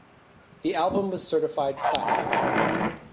The album was certified platinum.